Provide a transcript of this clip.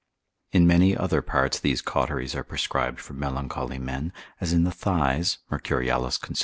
In many other parts, these cauteries are prescribed for melancholy men, as in the thighs, (Mercurialis consil.